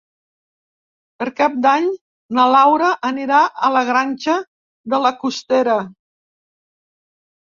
Per Cap d'Any na Laura anirà a la Granja de la Costera.